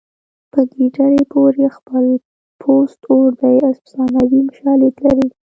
په ګیدړې پورې خپل پوست اور دی افسانوي شالید لري